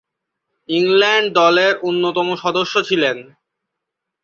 England দলের অন্যতম সদস্য ছিলেন।